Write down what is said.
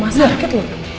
jangan berantem terus